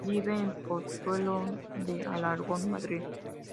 Vive en Pozuelo de Alarcón, Madrid.